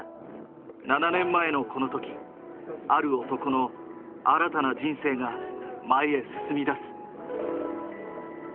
７年前のこの時ある男の新たな人生が前ヘ進みだす。